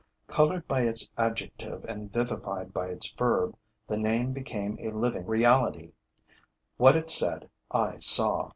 Colored by its adjective and vivified by its verb, the name became a living reality: what it said I saw.